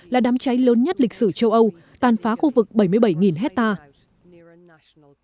là đám cháy lớn nhất lịch sử châu âu tàn phá khu vực bảy mươi bảy hectare